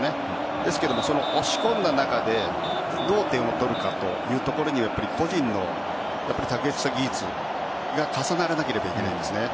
ですが押し込んだ中でどう点を取るかというところに個人の卓越した技術が重ならなければいけないんです。